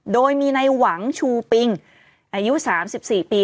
โดยมีในหวังชูปิงอายุ๓๔ปี